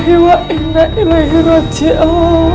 ibu udah tenang sekarang ya